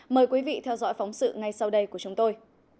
mời quý vị theo dõi phóng sự ngay sau đây của chúng tôi